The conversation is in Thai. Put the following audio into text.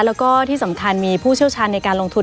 แล้วก็ที่สำคัญมีผู้เชี่ยวชาญในการลงทุน